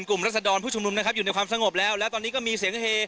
รัศดรผู้ชุมนุมนะครับอยู่ในความสงบแล้วแล้วตอนนี้ก็มีเสียงเฮ